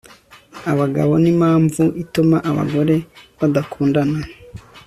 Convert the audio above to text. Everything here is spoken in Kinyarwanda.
abagabo nimpamvu ituma abagore badakundana